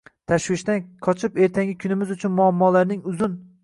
Tashvishdan qochib ertangi kunimiz uchun muammolarning uzun